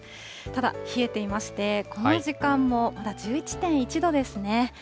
ただ、冷えていまして、この時間もまだ１１．１度ですね。